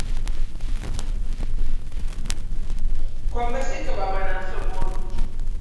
Quan va ser que vam anar a Sagunt?